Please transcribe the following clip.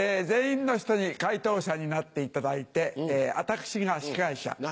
全員の人に回答者になっていただいて私が司会者。